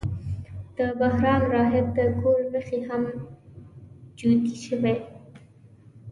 د بحیرا راهب د کور نښې هم جوتې شوې.